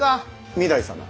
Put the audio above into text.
御台様。